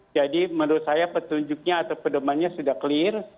jadi menurut saya petunjuknya atau pendemannya sudah clear